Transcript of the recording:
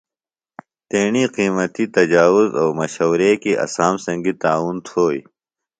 تیݨی قیمتی تجاویز او مشورے کیۡ اسام سنگی تعاون تھوئی۔